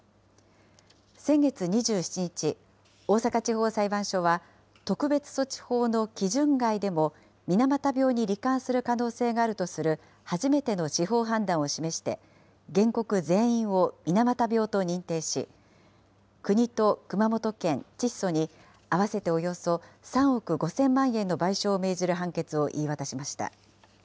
先月２７日、大阪地方裁判所は、特別措置法の基準外でも、水俣病にり患する可能性があるとする初めての司法判断を示して、原告全員を水俣病と認定し、国と熊本県、チッソに、合わせておよそ３億５０００万円の賠償を命じる判決を言い渡しました。